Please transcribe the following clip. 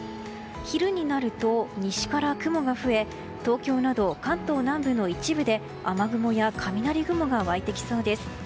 昼になると、西から雲が増え東京など関東南部の一部で雨雲や雷雲が湧いてきそうです。